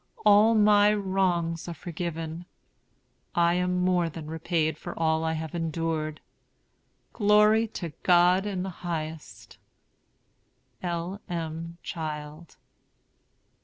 All my wrongs are forgiven. I am more than repaid for all I have endured. Glory to God in the highest!" L. M. CHILD.